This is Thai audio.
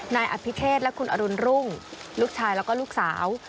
นายอภิเทศและคุณอรุณรุ่งลูกชายแล้วก็ลูกสาว